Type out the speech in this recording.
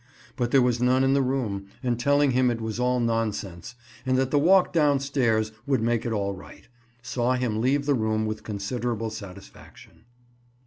But there was none in the room, and, telling him it was all nonsense, and that the walk downstairs would make it all right, saw him leave the room with considerable satisfaction.